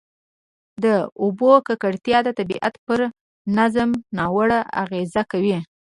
د اوبو ککړتیا د طبیعت پر نظام ناوړه اغېز کوي.